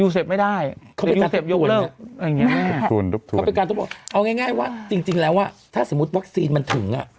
สภาพชีวิตกระตุ้น